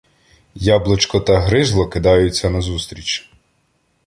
Яблочко та Гризло кидаються назустріч.